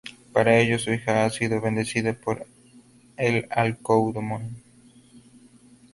Para ellos, su hija ha sido bendecida por el Alcaudón.